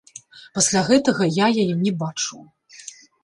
Пасля гэтага я яе не бачыў.